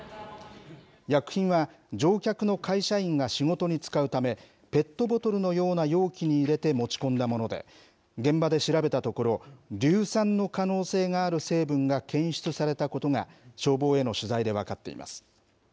薬品は、乗客の会社員が仕事に使うため、ペットボトルのような容器に入れて持ち込んだもので、現場で調べたところ、硫酸の可能性がある成分が検出されたことが、消防への取材で分かっています。